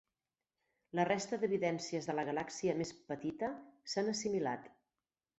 La resta d'evidències de la galàxia més petita s'han assimilat.